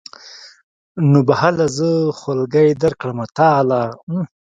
نو به هله زه خولګۍ درکړمه تاله.